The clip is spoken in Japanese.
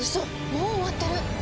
もう終わってる！